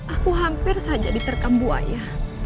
aku hampir saja diterkam bu aya